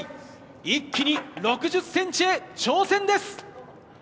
一気に６０センチへ挑戦です。